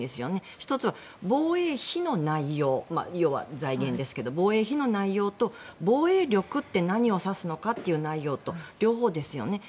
１つは防衛費の内容要は財源ですけど防衛費の内容と、防衛力って何を指すのかって内容と両方ですよね。